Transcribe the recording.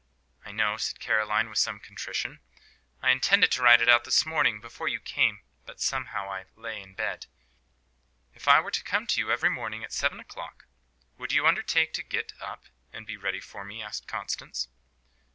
"I know," said Caroline, with some contrition. "I intended to write it out this morning before you came; but somehow I lay in bed." "If I were to come to you every morning at seven o'clock, would you undertake to get up and be ready for me?" asked Constance.